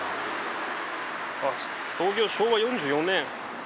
創業昭和４４年。